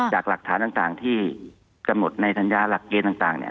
จากหลักฐานต่างที่กำหนดในสัญญาหลักเกณฑ์ต่างเนี่ย